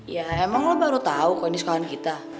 ya emang lo baru tahu kok ini sekolahan kita